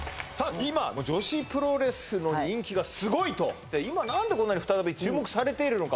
今女子プロレスの人気がすごいと今何でこんなに再び注目されているのか